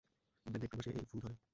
ইংল্যান্ডে এপ্রিল মাসে এই ফুল ধরে।